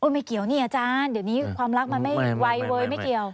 ไม่เกี่ยวนี่อาจารย์เดี๋ยวนี้ความรักมันไม่ไวเวยไม่เกี่ยว